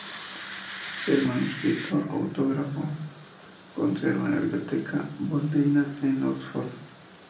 El manuscrito autógrafo se conserva en la Biblioteca Bodleiana, en Oxford.